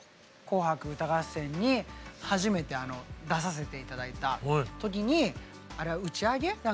「紅白歌合戦」に初めて出させて頂いた時にあれは打ち上げ？